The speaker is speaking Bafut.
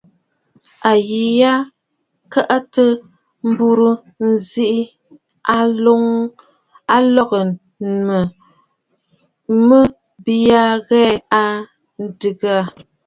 A yi a kəʼə̀tə̀ m̀burə nzi a nlɔ̀gə mə̀ mə bìʼiyu ghɛɛ a adɨgə.